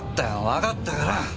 わかったから！